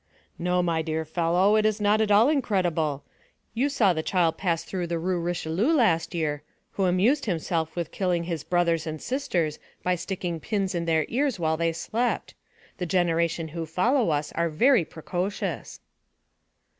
"No, my dear fellow, it is not at all incredible. You saw the child pass through the Rue Richelieu last year, who amused himself with killing his brothers and sisters by sticking pins in their ears while they slept. The generation who follow us are very precocious."